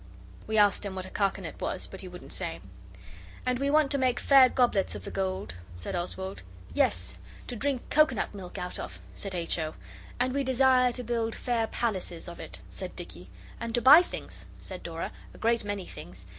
We asked him what a carcanet was, but he wouldn't say. 'And we want to make fair goblets of the gold,' said Oswald. 'Yes, to drink coconut milk out of,' said H. O. 'And we desire to build fair palaces of it,' said Dicky. 'And to buy things,' said Dora; 'a great many things.